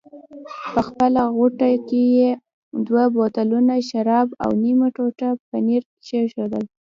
په خپله غوټه کې یې دوه بوتلونه شراب او نیمه ټوټه پنیر کېښوول.